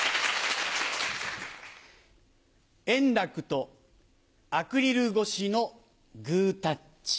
円楽とアクリル越しのグータッチ。